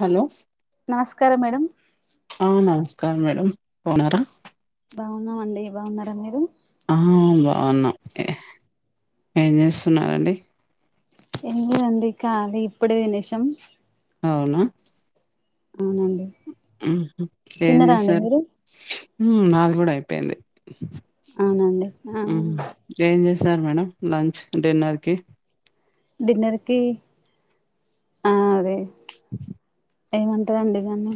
Hello నమస్కారం madam. ఆ నమస్కారం మేడం. బావున్నరా? బావున్నామండి. బావున్నారా మీరు? ఆ బావున్నాం. ఏంచేస్తున్నారండీ? ఎంలేదు అండి కాలి ఇప్పుడే తినేశం. అవునా అవునండి తిన్నారా అండి ఏంచేసారు? మీరు నాది కూడా అయిపోయింది. అవునండి ఆ ఏం చే సారు మేడం లంచ్ డిన్నర్కి. డిన్నర్కి ఆ అదే ఏమంటారండి దాన్ని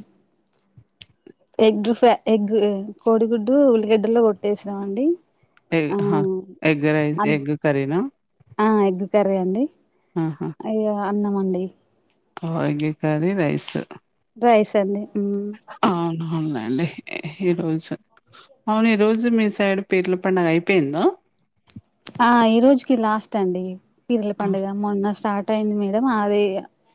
ఎగ్ ఫై ఎగ్ కోడిగుడ్డు ఉల్లిగడ్డలో కొట్టేసినామండి. ఆ ఎగ్ రైస్ అం ఎగ్ కర్రీనా ఆ ఎగ్గు కర్రీ అండి. ఆహా అయ్యో అన్నమండి. ఆ ఎగ్ కర్రీ రైస్. రైస్ అండి. మ్మ్ అవును అవునులేండి. ఈ రోజు అవును ఈ రోజు మీ సైడ్ పీర్ల పండగ అయిపోయిందా. ఆ ఈ రోజుకి లాస్ట్ అండి పీర్ల పండుగ. మొన్న స్టార్ట్ అయింది మేడం అది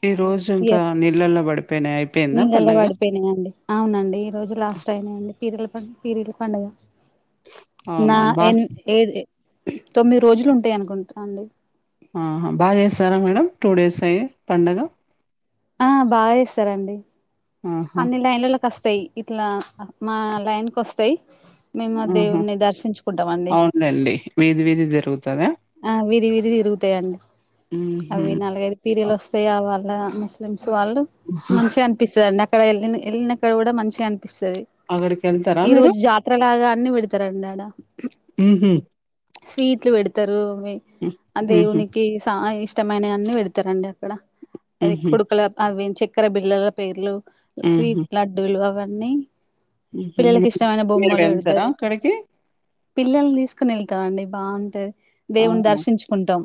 ఈ రోజు ఇంకా నీళ్ళల్లో పడిపోయినాయి. ఈ అయిపోయిందా నేల పండగ వాడి పెళ్ళండి ఆ అవునండి ఈ రోజు లాస్ట్ అయినాండి పీర్ల పండ్ పీర్ల పండగ నా అవునవును బా ఏ ఏ తొమ్మిది రోజులు ఉంటాయి అనుకుంట అండి ఆహ బాగా చేస్తారా మేడం టూ డేస్ అయ్యి పండగ ఆ బాగా చేస్తారండి ఆహా! అన్ని లైన్లలకు వస్తాయి ఇట్లా మా లైన్ కి వస్తాయి మేము ఆ ఆహా! దేవుని దర్శించుకుంటాం అండి అవునులెండి. వీధి వీధి జరుగుతదా? ఆ విధి విధి తిరుగుతాయండి హుహు. అవి నాలుగైదు పీరియలు వస్తాయివళ లా ముస్లిమ్స్ వాళ్ళు ఆహా! మంచిగా అనిపిస్తందిండి అక్కడ వెళ్ళ వెళ్ళినక్కడ కూడా మంచిగా అని ఇస్తాది అక్కడికెళ్తారా ఈ మీరు? రోజు జాతరలాగా అన్ని పెడతారండి ఆడ హుహు. స్వీట్లు పెడుతు [unintelligible] హ్మ్. అ హుహు. దేవునికి సానా ఇష్టమైనవని పెడతారండి అక్కడ అవి హుహు. కొడుకుల అవ చక్కెర బిళ్లల పేర్లు హుహు. స్వీట్ లడ్డూలు అవన్ న్నీ హుహు. పిల్లలలకు ఇష్టమైన మీరు బొమ్మలు వెళ్తారా పెడతారు అక్కడికి? పిల్లల్నీ తీసుకుని వెళ్తామండి బాగుంటది దేవుని అవును దర్శించుకుంటాం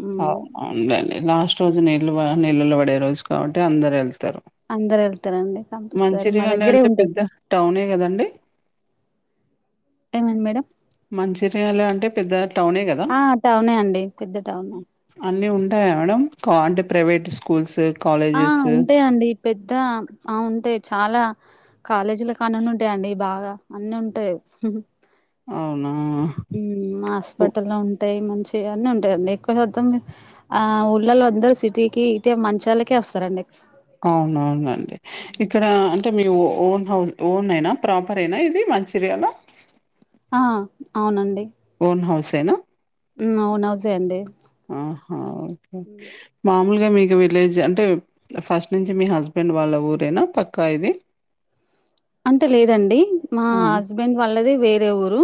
హ్మ్ అవునుందండి లాస్ట్ రోజునె ఇల్ [unintelligible] పడే రోజు కాబట్టి అందరు వెల్తారు అందరు వెళ్తారండి కంపల్సరీ మా మంచిర్యాల దగ్గరే అంటే ఉంటే పెద్ద కొంచం టౌనే గదండీ? ఏమైంది మేడం మంచిర్యాల అంటే పెద్ద టౌనే కదా ఆ టౌనే అండి పెద్ద టౌన్ అన్ని ఉ ఉంటాయ మేడం కాంట ప్రైవట్ స్కూల్స్ ఆ కాలేజెస్ ఉంటా అండి పెద్ద ఆ ఉంటాయి చాలా కాలేజీలో కానీన్ని ఉంటాయండి బాగా అన్ని ఉంటాయి అవునా మ్మ్ మాస్పిటల్లో ఉంటాయి మ చెయన్నీ ఉంటాయిండి ఎక్కువ శాతం ఆ ఊళ్ళలో అందరు సిటీకి మంచిర్యాలకే వస్తారండి అవునవునండి ఇక్కడ అంటే మీ ఓన్ హౌస్ ఓన్ అయినా ప్రాపర్ యేన ఇది మంచిర్యాలో ఆ అవునండి ఓన్ హాౌస్ ఏనా హ్మ్. ఓన్ హౌసే అండి. ఆహా ఓకే మా [unintelligible] మీది విలేజ్ అంటే ఫస్ట్ నుంచి మీ హస్బెండ్ వాళ్ళ ఊరేనా పక్కా ఇది అంత లేదండి మా ఆ! హస్బెండ్ వాళ్ళది వేరే ఊరు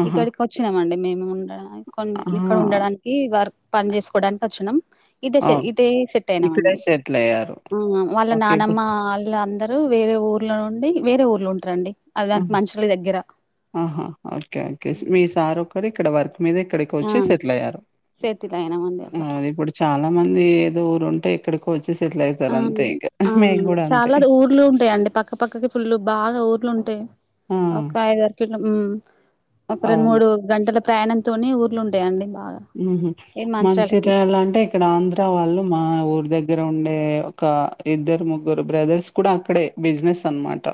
ఆహా! ఇక్కడికి వచ్చినామండి మేము ఉండ కొ ఇక్కడ ఆహా! ఉండడానికి వర్క్ పని చేసుకోవడానికి వచ్చినాం ఇదే సె అవును. ఇటే సెట్ ఇక్కడే అయినామండి సెటిల్ అయ్యారు. మ్ ఆ వాళ్ళ ఓకే. ఇప్పుడు నానమ్మ వాళ్ళ అందరు లు వేరే ఊర్లో నుండి వేరే ఊర్లో ఉంటారండి అది దానికి [unintelligible] మంచిర్యాల దగ్గర. అహా ఓకే ఓకే హ్మ్. మీ సార్ ఒక్కరే ఇక్కడ వర్క్ మీరిక్కడికి ఆ! వచ్చి సెటిల్ అయ్యారు సెటిల్ అయినామండి అట్లా. ఆ ఇప్పుడు చాలా మంది ఏదో ఊరు ఉంటే ఇక్కడికి వచ్ ఆ అవునండి అంతే. చాలా ఊర్లు ఉంటాయిండి పక్క పక్కకి ఫుల్లు బాగా ఊర్లు ఉంటాయి ఆ! ఒక ఐదర కిలో ఒక రెండు అవును. మూడు గంటలు ప్రయాణంతో ఊర్లు ఉంటాయండి బాగా హ్మ్ హు ఈ మంచిర్యాలకి మంచిర్యలా అంటే ఇక్కడ ఆంధ్ర వాళ్ళు మా ఊర్ దగ్గర ఉండే ఒక ఇద్దరు ముగ్గురు బ్రదర్స్ కూడా అక్కడే బిజినెస్ అనమాట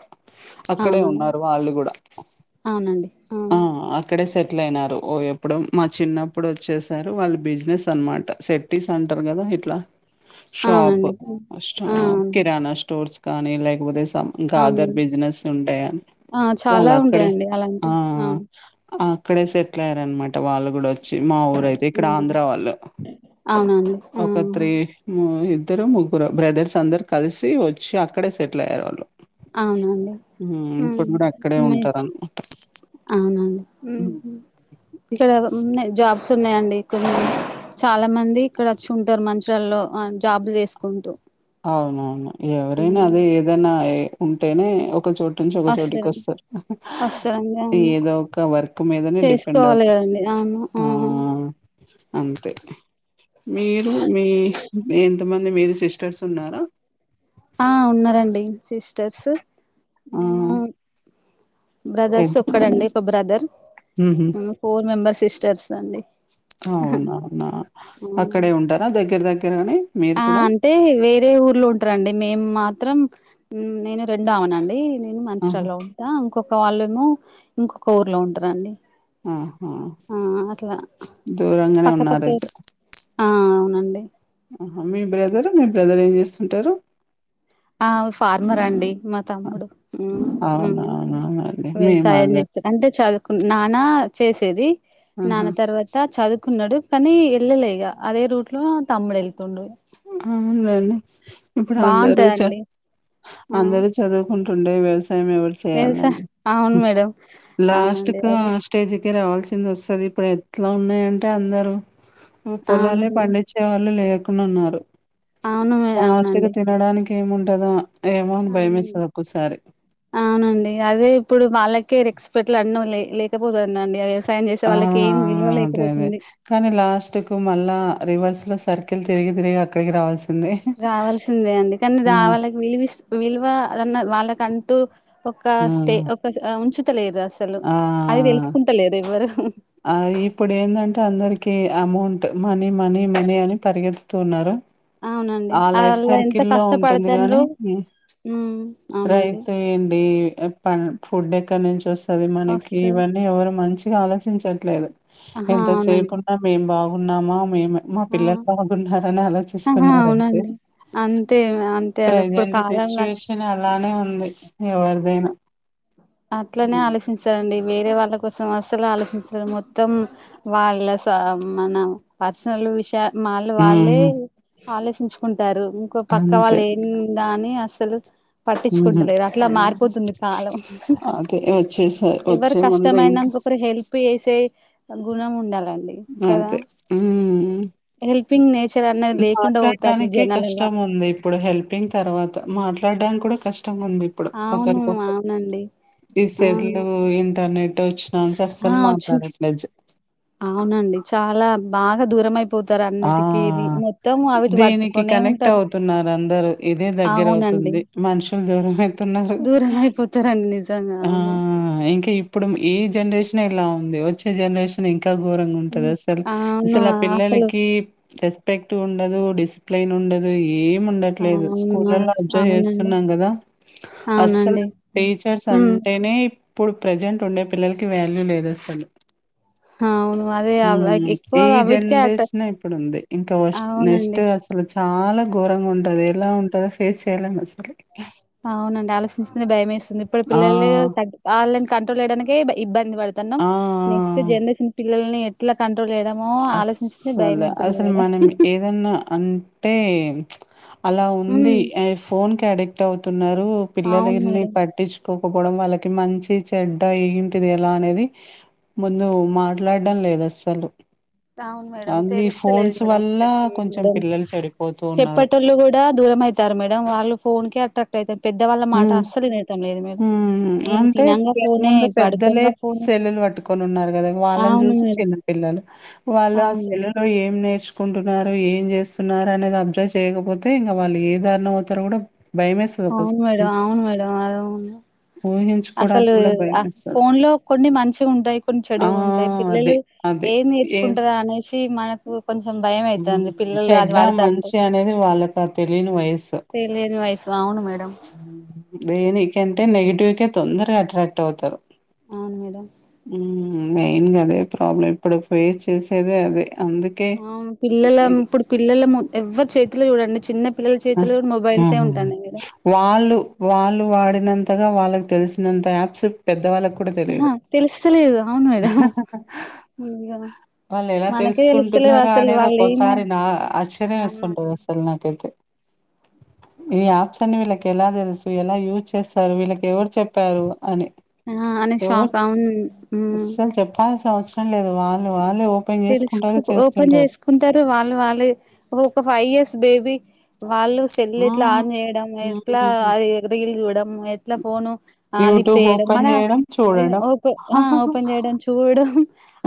అక్కడే అవునవును ఉన్నారు వాళ్ళు కూడ అవునండి ఆ అవును అక్కడే సె ట్లయినరు ఓ ఎప్పుడు మా చిన్న ఎప్పుడు వచ్చేసారు వాళ్ళు బిజినెస్ అనమాట సెట్టిస్ అంటారు కదా ఇట్ల షాప్ అవునండి హ్మ్. ఆ అవును. కిరాను స్టోర్స్ కానీ లేలైక్పో ఇంకాఅదర్ అవునండి బిజినెస్ ఉంటయా ఆ చాలా వాళ్ళు అక్కడే ఉంటాయండి అలాంటి ఆ అవును అక్కడే సెటిల్ అయ్యారనమాట వాళ్ళు కూడ చ్చి మా ఊరయితే ఇక్కడ హ్మ్. ఆంధ్ర వాళ్ళు అవునండి ఆ ఒక త్రీ [unintelligible] ఇద్దరో ముగ్గురో బ్రదర్స్ అందరు కలిసి వచ్చి అక్కడే సెటిల్ అయ్యారు వాళ్ళు అవునండి హ్మ్. ఇప్పుడు గూడా అక్కడే ఉంటారన్ అవునండి హ్మ్. ఇక్కడ ఉన్నాయ్ జాబ్ వస్తున్నాయండి కొన్ని చాలా మంది ఇక్కడ వచ్చి ఉంటారు మంచల్లో జాబ్ చేసుకుంటూ అవునవును ఎవరైన హ్మ్. అదే ఏదైన ఉంటేనే ఒక చో నుంచి ఒక చోటికి వస్తారండి వస్తారు వస్తారండి అవును ఏదో ఒక వర్క్ మీదనే డిపెండ్ చేసుకోవాలి అవుత కదండి అవును ఆ అంతే మీరు మీ ఎంతమంది మీరు సిస్ చేస్తున్నార ఆ ఉన్నారండి సిస్టర్స్ ఆ! మేము బ్రదర్స్ ఎంత ఒక్కడండి బ్రదర్ హుహు. ఫోర్ మెంబర్ సిస్టర్స్ అండి అవునవున అవును అక్కడే ఉంటారాదగ్గర దగ్గరనే మీరు ఆ కూడా? అంటే వేరే ఊర్లో ఉంటారండి మేమ్ మ మాత్రం నేను రెండో అమనండి నేను ఆహా! మంచిరాలో ఉంటా ఇంకొ వాళ్ళేమో ఇంకొక ఊర్లో ఉంటారండి ఆహా ఆ అట్లా దూరం గనే ఉన్నారు పక్కపక్కే అయితే ఆ అవునండి ఆహా మీ బ్రదరు మీ బ్రదర్ ఏం చేస్తుంటారు ఆ ఫార్మర్ అండి మా అ తమ్ముడు అవునా! అవునవునండి. మీ వ్యవసాయం మదర్. చేస్తారు అంటే చదువుకు నాన్న చేసేది ఆహా! నాన్న తర్వాత చదువుకున్నాడు కానీ వెళ్ళలే ఇగా అదే రూట్ లో తమ్ముడు వెళ్తుండు ఆవునులెండి ఇప్పుడు అందరు చ చదువుకుంటుంటే బాగుంటదండి ఆ అందరు చదువుకుంటుండే [unintelligible] వ్యవసాయ చేయాలిండి అవును మేడం లాస్ట్ అవునండి కు అదే స్టేజకి రావాలీ కింద వస్తది ఇప్పుడు ఎట్లా ఉన్నాయంటే అందరు పొలాలే అవునండి పండించే వాళ్ళు లేరు న్నారు అవును ప్లాస్టిక్ అవునండి తినడానికి ఏముంటదో ఏమో అని అవునండి భయమేస్తది ఒక్కోసారి. అవునండి అదే ఇప్పుడు బాల [unintelligible] ఆ అదే అదే కానీ లాస్ట్కు మళ్ళా రివర్స్ సర్కిల్ తిరిగి తిరిగి అక్కడికి రావలి [unintelligible] రావాల్సిందే అండి కానీ వాళ్ళకి విలువ విలువ [unintelligible] వాళ్ళక అంటూ ఒక ఆ! స్టే ఒక ఉంచుతలేదు అసలు ఆ! అది తెలుసుకుంటలేదు ఎవ్వరు ఆ ఇప్పుడు ఏందంటే అందరికి అమౌంట్ మనీ మనీ మనీ అని పరిగెత్తుతు ఉన్నార అవునండి ఆ లైఫ్ అలా ఎంత సర్కిల్ లో ఉంటుంది గాని కష్టపడతాండ్రు ఉమ్ అవునండి రైతు ఏంది ప ఫుడ్ ఎక్కడ నుంచి వస్తుంది మనకి వస్తది ఇవన్నీ ఎవరు మంచిగా ఆలోచించట్లేదు ఆహా ఎంతసేపు అవునండి ఉన్నా మేం బాగున్నామ మేము మా ఆ పిల్లలు బాగున్నారని ఆహా ఆలోచిస్తున్నారంటే అవునండి అంతే అంతే అది ఇప్పుడు ప్రజెంట్ కాలంలా సిచ్యువేషన్ అలానే ఉంది ఎవరిదైనా అట్లనే హ్మ్. ఆలోచించ అండి వేరే వాళ్ళ కోసం అసలు ఆలోచించడం మొత్తం వాళ్ళ మనం పర్సనల్ విషయా వాళ్ళు వాళ్ళే హ్మ్. ఆలోచించుకుంటారు ఇంకో పక్క అంతే. వాళ్ళు ఏందా అని అస అసలు ఉహు పట్టించుకుంటలేదు అట్లా మారిపోతుంది కాలం అదే వచ్చేసారు ఎవరు వచ్చే కష్టమ ముందు అయినా ఇంకా ఇంకొకరికి హెల్ప్ చేసే గుణం ఉండాలి కద అదే ఉమ్ మాట్లాడడానికే జనాలల్ల కష్టం ఉంది ఇప్పుడు హెల్పింగ్ తర్వాత మాట్లాడడానికి కూడా కష్టం కష్టంగా ఉంది ఇప్పుడు అవును ఒకరికొకరు అవునండి ఈ అవును సెల్లు ఇంటర్నెట్ వచ్చి ఆ వచ్చి అవునండి చాలా బాగా దూరం అయిపో ఆ దీనికి పట్టుకొనే కనెక్ట్ ఉంటారు. అవుతున్నారు అందరు ఇదే దగ్గరవుతు అవునండి. ఉంది మనుషులు దూరం అయితున్నారు దూరమైపోతారండి నిజంగా ఆ అవును. ఇంకా ఇప్పుడు ఈ జనరేషన్ ఇలా ఉంది వచ్చే జనరేషన్ ఇంకా ఘోరంగా ఉంటది హ్మ్. అసలు అవును. అసలు ఆ పిల్లల అసలు కీ రెస్పెక్ట్ ఉండదు డిసిప్లిన్ ఉండదు ఏ ఉండట్లేదు అవును. స్కూలల్లో అబ్జర్వ్ అవునండి. చేస్తున్నాం కదా అస్సలు అవునండి. హ్మ్. టీచర్స్ హ్మ్. అంటేనే ఇప్పుడు ప్రజెంట్ ఉండే పిల్లలకి వ్యాల్యూ లేదుసలు అవును. అదే అవ మ్ ఎక్కువ ఈ అవిటికే అట జనరేషన్ ఇప్పుడుంది ఇంకా వస్ నెక్స్ట్ అవునండి. అసలు చాలా ఘోరంగా ఉంటది ఎలా ఉంటందో ఫేస్ చెయ్యలేం అస్సలు అవునండి ఆలోచిస్తేనే భయం వేస్తుంది ఇప్పుడు ఆ! పిల్లలు వాళ్ళని కంట్రోల్ చేయడానికే ఇబ్బంది బంధి పడుతున్నాం ఆ! నెక్స్ట్ ఆ! జనరేషన్ పిల్లల్ని ఎట్లా కంట్రోల్ లేడమో ఆలోచేస్తేనే అస్సలు భయమవుతుంది అసలు మేడం మనం ఏదన్నా అంటే అలా ఉంది హ్మ్. ఆ ఫోన్ కి అడిక్ట్ అవుతున్నారు అవును పిల్లలని మేడం పట్టించుకోకపోవడం వాళ్ళకి కి మంచి చెడ్డ ఏంటిది ఎలా అనేది ముందు మాట్లాడడం లేదు అస్సలు అవును మేడం తెలుస్తలేదు మేడం వల్ల వీళ్ళకి కొంచెం అలాగ పిల్లలు చెడిపోతూ ఉన్నారు. చెప్పేటోళ్లు కూడా దూరం అవుతారు మేడం వాళ్ళు ఫోన్ కే అట్రాక్ట్ అయితారు పెద్దవాళ్ళ మాట అస్సలు వినటం లేదు మేడం మ్ ఏం అంటే తినంగా ఫోనే ముందు పెద్దలే పడుకోంగా ఫోనే సెల్లులు పట్టుకొని ఉన్నారు కదా వాళ్ళని అవును చూసి చూసి మేడం చిన్న పిల్లలు వాళ్ళు ఆ అవును సెల్ లో ఏం నేర్చ కుంటున్నారు ఏం చేస్తున్నారు అనేది అబ్జర్వ్ చేయకపోతే ఇంకా వాళ్ళు ఏ దారుణ అవుతారు కూడా అవును మేడం అవును మేడం అవును అసలు ఊహించుకోవడానికి గూడా భయమేస్తది. ఫోన్ లో కొన్ని మనిషి ఉంటాయి కొన్ని ఆ! చెడువు ఉంటాయి అదే. పిల్లలు అదే. ఏ నేర్చుకుంటదా అనేసీ చ్చి మనకు కొంచెం భయం హ్మ్. అవుతుంది పిల్లలు అది చెడ్డ, వాడుతా అంటే మంచి అనేది వాళ్ళకా తెలియని వయస్సు. తెలియని వయసు అవును మేడం హ్మ్. దేనికంటే నెగిటివ్కే తొందరగా అట్రాక్ట్ అవుతారు అవును మేడం మెయిన్ గా అదే ప్రాబ్లం ఇప్పుడు ఫేస్ చేసేదే అదే అందుకే అవును పిల్లల ఇప్పుడు పిల్లల ఏమో ఎవ్వరి చేతిలో చూడండి చిన్న పిల్లల చేతిలో కూడా మొబైల్సే ఆహాహ ఉంటాన్నాయి మేడం వాళ్ళు వాళ్ళు వాడినంత అంతగా వాళ్ళకి తెలిసినంత యాప్స్ పెద్దవాళ్ళ కూడా ఆహా తెలియదు తెలుస్తలేదు అవును మేడం ఇగ వాళ్ళు ఎలా మనకే తెలుస్తలేవు తెలుసుకుంటున్నారా అసలు అనేది వాళ్ళు ఏమో ఒకసారి నా ఆశ్చర్యం అవును వేస్తుంటది మేడం. అసలు నాకైతే ఈ యాప్స్ అని వీళ్ళకి ఎలా తెలుసు ఎలా యూజ్ చేస్తారు వీళ్ళకి ఎవరు చెప్పారు అని అ ఎవరు అనేశోక్ అవును కవసరం లేదు వాళ్ళు వాళ్ తెలుసుకు ఓపెన్ చేసుకుంటరు వాళ్ళు వాళ్లే ఒక ఫైవ్ ఇయర్స్ బేబీ వాళ్ళు సెల్ ఆ ఎట్లా ఆన్ చేయడం ఎట్లా హ్మ్. అది రీల్ చూడడం ఎట్లా ఫోను ఆ లీ యూట్యూబ్ చేయడం ఓపెన్ మన చేయడం ఈ చూడడం ఒపే ఆ ఓపెన్ చేయడం చూడడం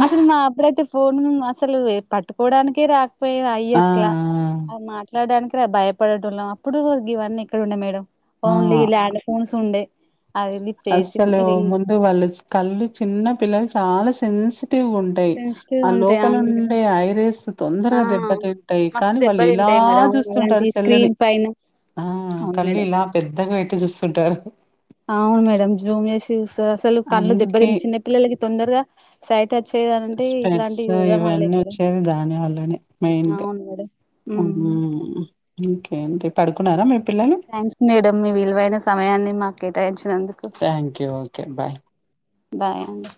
అసలునా ప్రతి పూ ఉమ్ అసలు పట్టుకోడానికే రాకపోయే అయ్యాస్లా ఆ! మరి మాట్లాడ్డనికి ఇక్కడ భయపడేటోల్లం అప్పుడు గీవన్నీ ఎక్కడ ఉండే మేడం ఆ ఓన్లీ ల్యాండ్ ఫోన్స్ ఉండే అది లిఫ్ట్ చేసి అస్సలు రింగ్ ముందు వాళ్ళు కళ్ళు చిన్న పిల్లలు చాలా సెన్స్ టివ్ ఉంటాయి సెన్సిటివ్ ఆ ఉంటాయి లోపల అవును కదా ఉండే ఐరేస్ ఆ తొందరగా దెబ్బతింటయి మస్తు కానీ వాళ్ళు ఇలా దెబ్బతింటాయి బా మేడం అలాంటి చూస్తుంటారు సేల్లుని స్క్రీన్ పైన ఆ అవును కళ్ళు మేడం ఇలా పెద్దగా పెట్టి చూస్త ఉంటరు అవును మేడం జూమ్ చేసి అసలు కళ్ళు దెబ్బ అందుకే తిని చిన్న పిల్లలకి తొందరగా సా స్పెట్స్ ఇవన్నీ మేడం వచ్చేవి దాని వల్లనే మెయిన్గా అవును మేడం ఉమ్ ఇంకే టి పడుకున్నారా మీ పిల్లలు? థ్యాంక్స్ మేడం మీ విలువైన సమయాన్ని మాకేటాయించి థ్యాంక్ యూ ఓకే బాయ్ బాయండి